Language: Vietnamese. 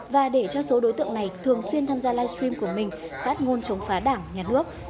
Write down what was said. và để cho số đối tượng này thường xuyên tham gia livestream của mình phát ngôn chống phá đảng nhà nước